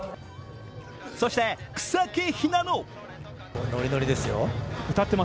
そして、草木ひなの。